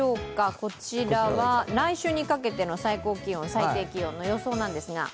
こちらは来週のかけての最高気温、最低気温の予想なんですが。